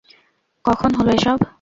কখন হলো এসব?